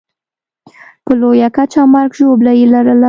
په لویه کچه مرګ ژوبله یې لرله.